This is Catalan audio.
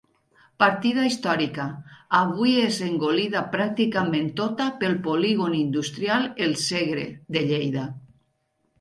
Partida històrica, avui és engolida pràcticament tota pel Polígon Industrial El Segre, de Lleida.